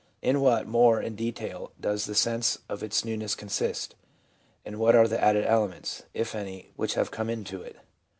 In what, more in detail, does the sense of its newness consist ? And what are the added elements, if any, which have come into it